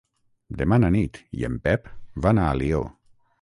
Demà na Nit i en Pep van a Alió.